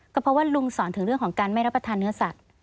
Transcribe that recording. ก็เพราะว่าลุงสอนถึงเรื่องของการไม่รับประทานเนื้อสัตว์